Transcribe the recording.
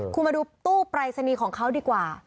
คุณมาดูตู้ปรายศนีย์ของเขาดีกว่า